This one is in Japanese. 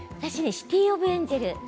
「シティ・オブ・エンジェル」